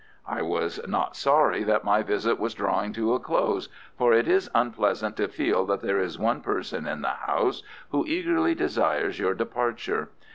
I was not sorry that my visit was drawing to a close, for it is unpleasant to feel that there is one person in the house who eagerly desires your departure.